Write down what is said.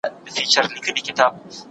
زه کولای سم مېوې وچوم